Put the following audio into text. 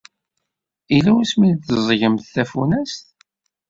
Yella wasmi i d-teẓẓgemt tafunast?